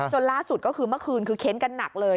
จนล่าสุดก็คือเมื่อคืนคือเค้นกันหนักเลย